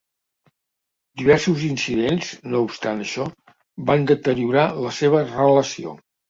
Diversos incidents, no obstant això, van deteriorar la seva relació.